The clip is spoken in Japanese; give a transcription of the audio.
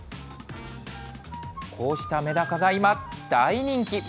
こうしたメダカが今、大人気。